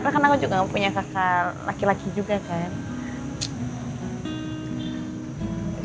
ya karena aku juga gak punya kaka laki laki juga kan